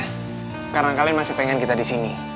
karena kalian masih pengen kita di sini